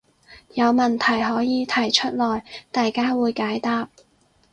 有問題可以提出來，大家會解答